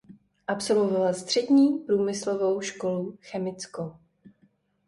Absolvoval střední průmyslovou školu chemickou.